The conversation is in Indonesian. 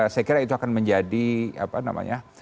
saya kira itu akan menjadi apa namanya